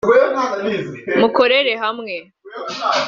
mukorere hamwe